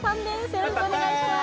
よろしくお願いします